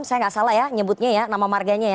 saya nggak salah ya nyebutnya ya nama marganya ya